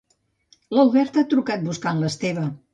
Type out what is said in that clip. L'Albert ha trucat buscant l'Esteve